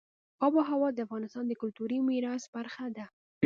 آب وهوا د افغانستان د کلتوري میراث برخه ده.